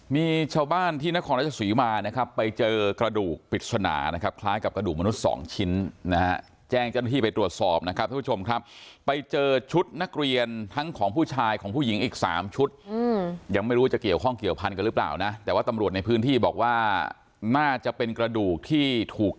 มีชาวบ้านที่นครราชสีมานะครับไปเจอกระดูกปริศนานะครับคล้ายกับกระดูกมนุษย์สองชิ้นนะฮะแจ้งเจ้าหน้าที่ไปตรวจสอบนะครับท่านผู้ชมครับไปเจอชุดนักเรียนทั้งของผู้ชายของผู้หญิงอีกสามชุดยังไม่รู้จะเกี่ยวข้องเกี่ยวพันกันหรือเปล่านะแต่ว่าตำรวจในพื้นที่บอกว่าน่าจะเป็นกระดูกที่ถูก